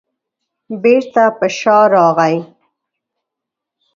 بېرته په شا راغی.